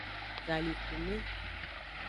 Galikume.